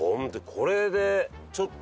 これでちょっと。